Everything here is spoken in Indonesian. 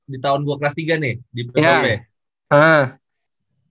di tahun gue kelas tiga nih di ppop